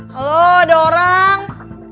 halo ada orang